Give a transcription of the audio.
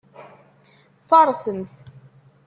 Farsemt.